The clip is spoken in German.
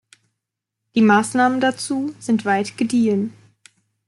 Die Maßnahmen dazu sind weit gediehen.